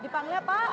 pak siapa pak